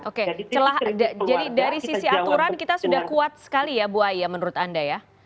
oke celah jadi dari sisi aturan kita sudah kuat sekali ya bu aya menurut anda ya